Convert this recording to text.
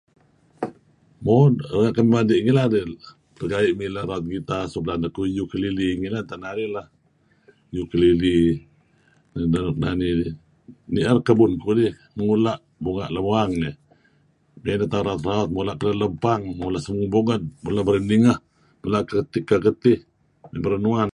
Pu'un renga' tauh madi' ngilad pegeraey' mileh raut guita suk belaan deh ku ukelele ngilad teh narih lah. Ukelele naru' nani... Ni'er kebun kudih mula' bunga lem uang iih. Mey neh tauh raut. Mula' kelelebpang, mula' sibung bunged, mula' bereningeh, mula' keketih-keketih, berenuan.